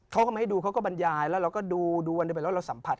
เขาไม่ให้ดูเขาก็บรรยายและเราก็ดูวันเด็กมาเราก็สัมผัส